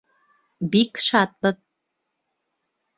Бик шатбыҙ!